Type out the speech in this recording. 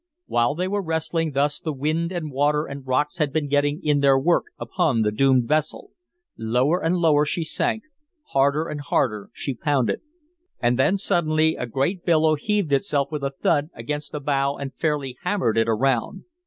While they were wrestling thus the wind and water and rocks had been getting in their work upon the doomed vessel. Lower and lower she sank, harder and harder she pounded. And then suddenly a great billow heaved itself with a thud against the bow and fairly hammered it around.